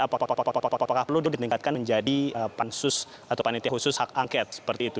apakah perlu ditingkatkan menjadi pansus atau panitia khusus hak angket seperti itu